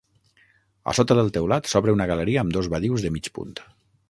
A sota del teulat s'obre una galeria amb dos badius de mig punt.